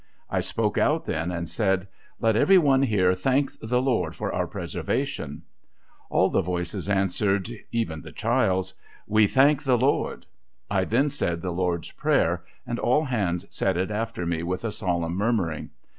I spoke out then, and said, ' Let every one here thank the Lord for our preser vation !' All the voices answered (even the child's), ' We thank the Lord!' I then said the Lord's Prayer, and all hands said it after me with a solemn murmuring.